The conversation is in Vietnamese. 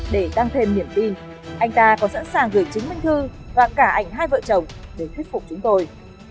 để tăng thêm niềm tin anh ta có sẵn sàng gửi chứng minh thư và cả ảnh hai vợ chồng để thuyết phục chúng tôi